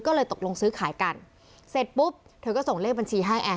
ก็เลยตกลงซื้อขายกันเสร็จปุ๊บเธอก็ส่งเลขบัญชีให้แอร์